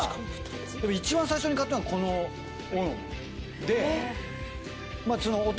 一番最初に買ったのこのおの。